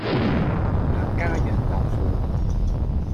客家釀豆腐